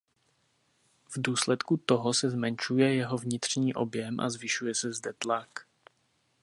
V důsledku toho se zmenšuje jeho vnitřní objem a zvyšuje se zde tlak.